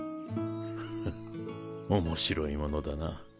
フ面白いものだな。